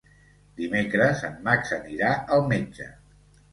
Dimecres en Max anirà al metge.